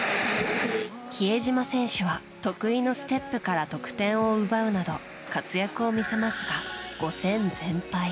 比江島選手は得意のステップから得点を奪うなど活躍を見せますが、５戦全敗。